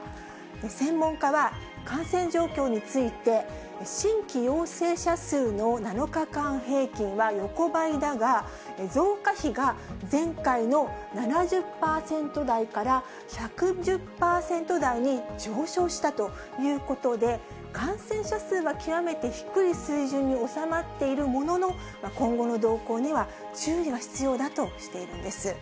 専門家は感染状況について、新規陽性者数の７日間平均は横ばいだが、増加比が前回の７０％台から１１０％台に上昇したということで、感染者数は極めて低い水準に収まっているものの、今後の動向には注意が必要だとしているんです。